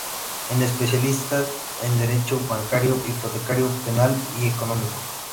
Es especialista en derecho bancario, hipotecario, penal y económico.